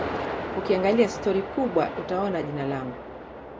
Ukiangalia stori kubwa utaona jina langu